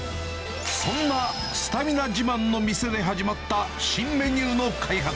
そんなスタミナ自慢の店で始まった新メニューの開発。